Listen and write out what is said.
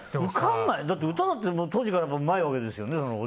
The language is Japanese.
だって歌だって当時からうまいわけですよね。